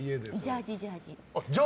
ジャージー、ジャージー。